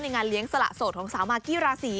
งานเลี้ยงสละโสดของสาวมากกี้ราศี